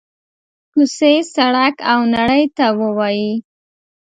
کوڅې، سړک او نړۍ ته ووايي: